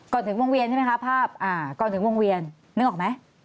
ก่อนถึงวงเวียนใช่ไหมคะภาพก่อนถึงวงเวียนนึกออกไหม